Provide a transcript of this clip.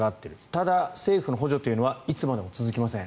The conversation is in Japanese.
ただ、政府の補助というのはいつまでも続きません。